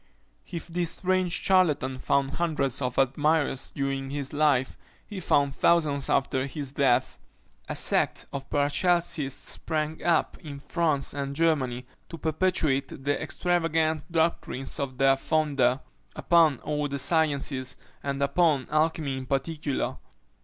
If this strange charlatan found hundreds of admirers during his life, he found thousands after his death. A sect of Paracelsists sprang up in France and Germany, to perpetuate the extravagant doctrines of their founder upon all the sciences, and upon alchymy in particular.